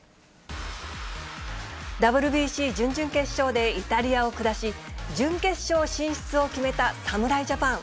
ＷＢＣ準々決勝でイタリアを下し、準決勝進出を決めた侍ジャパン。